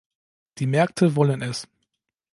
Die Märkte wollen es.